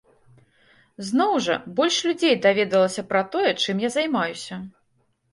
Зноў жа, больш людзей даведалася пра тое, чым я займаюся.